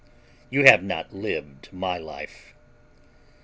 You have not lived my life."